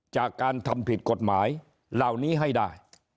จากการทำผิดกฎหมายเหล่านี้ให้ได้